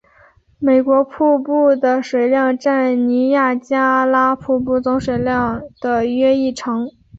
美国瀑布的水量占尼亚加拉瀑布总水量的约一成。